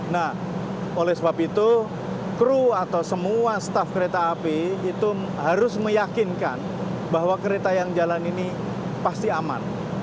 nah oleh sebab itu kru atau semua staff kereta api itu harus meyakinkan bahwa kereta yang jalan ini pasti aman